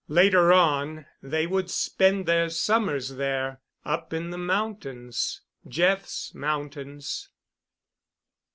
Later on they would spend their summers there—up in the mountains—Jeff's mountains.